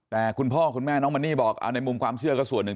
แต่คุณพ่อคุณแม่น้องมันนี่บอกเอาในมุมความเชื่อก็ส่วนหนึ่ง